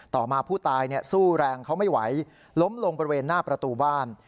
ต่อมาผู้ตายสู้แรงเขาไม่ไหวล้มลงบริเวณหน้าประตูบ้าน